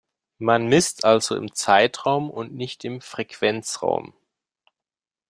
Man misst also im Zeitraum und nicht im Frequenzraum.